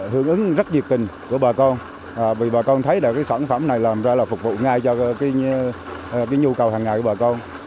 hướng ứng rất nhiệt tình của bà con bà con thấy sản phẩm này làm ra là phục vụ ngay cho nhu cầu hàng ngày của bà con